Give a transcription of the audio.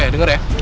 eh denger ya